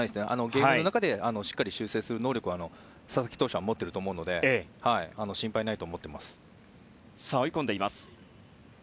ゲームの中でしっかり修正する能力は佐々木投手持っていると思うので心配ないと思っています。